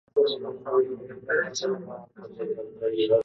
待つのも楽じゃない